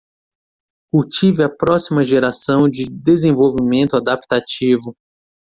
Cultive a próxima geração de desenvolvimento adaptativo